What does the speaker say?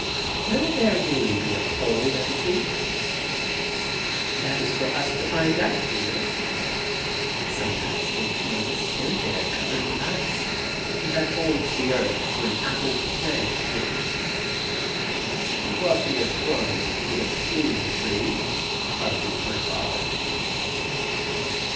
"Will there really be a pole, Auntie?" "That is for us to find out, dear. I sometimes think there is a stem there covered with ice, that holds the earth to an apple planet tree." "But the astronomers would have seen the tree," argues my father.